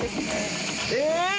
えっ？